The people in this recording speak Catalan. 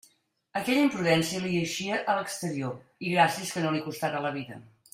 Aquella imprudència li eixia a l'exterior, i gràcies que no li costara la vida.